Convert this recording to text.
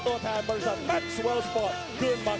ไม่ใช่คนที่ดูเหมือนบ้า